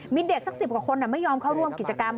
มีเด็กสัก๑๐กว่าคนไม่ยอมเข้าร่วมกิจกรรม